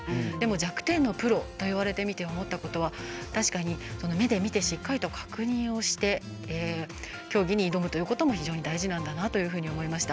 弱点のプロといわれてみて思ったことは確かに、目で見てしっかりと確認をして競技に挑むということも非常に大事なんだなと思いました。